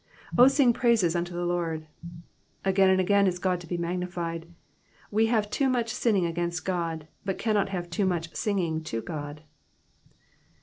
^^0 sing praises unto the Lord.''^ Again and again is God to be magnified ; we have too much sinning against God, but cannot have too much singing to God.